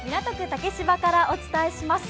竹芝からお伝えします。